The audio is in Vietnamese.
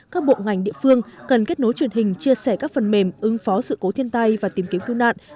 các bộ ngành địa phương cần kết nối truyền hình chia sẻ các phần mềm ứng phó sự cố thiên tai và tìm kiếm cứu nạn